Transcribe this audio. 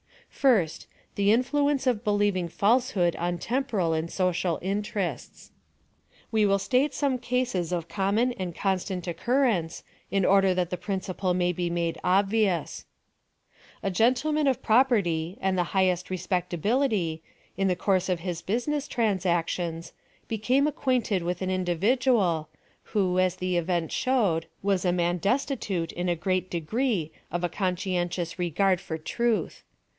First J the injlaencc of believing falsehood on temporal and social interests. We will state some cases of common and con stant occurrence, in order that the principle may be made obvious :— A gentleman of property and the liighest respec tability, in the course of his business transactions, became acquainted with an individual, who, as the event showed, was a man destitute in a great de gree of a conscientious regard for truth.